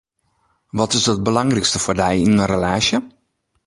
Wat is it belangrykste foar dy yn in relaasje?